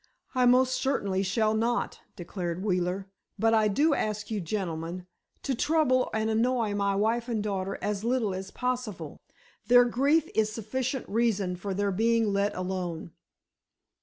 "I most certainly shall not," declared Wheeler. "But I do ask you, gentlemen, to trouble and annoy my wife and daughter as little as possible. Their grief is sufficient reason for their being let alone."